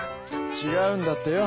違うんだってよ。